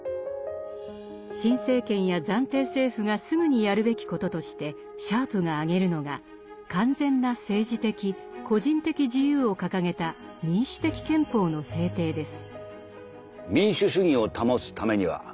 新政権や暫定政府がすぐにやるべきこととしてシャープが挙げるのが「完全な政治的個人的自由を掲げた民主的憲法」の制定です。